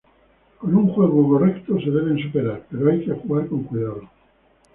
Con un juego correcto se deben superar, pero hay que jugar con cuidado.